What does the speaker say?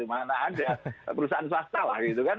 mana ada perusahaan swasta lah gitu kan